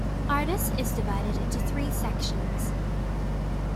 Ardas is divided into three sections.